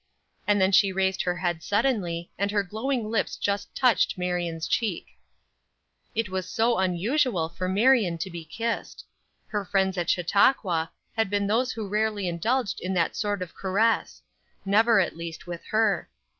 And then she raised her head suddenly, and her glowing lips just touched Marion's cheek. It was so unusual for Marion to be kissed. Her friends at Chautauqua had been those who rarely indulged in that sort of caress never, at least, with her.